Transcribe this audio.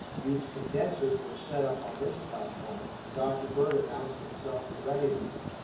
Huge condensers were set up on this platform, and Dr. Bird announced himself in readiness.